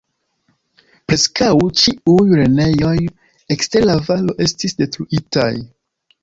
Preskaŭ ĉiuj lernejoj ekster la valo estis detruitaj.